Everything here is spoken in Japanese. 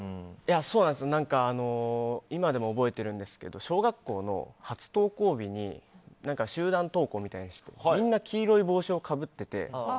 今でも覚えてるんですけど小学校の初登校日に集団登校みたいなみんな黄色い帽子をかぶっていて。